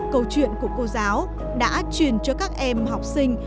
câu chuyện của cô giáo đã truyền cho các em học sinh